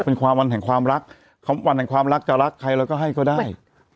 เป็นความวันแห่งความรักวันแห่งความรักจะรักใครเราก็ให้ก็ได้